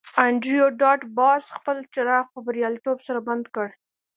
انډریو ډاټ باس خپل څراغ په بریالیتوب سره بند کړ